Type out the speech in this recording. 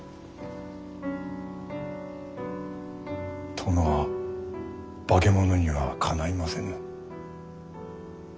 殿は化け物にはかないませぬ。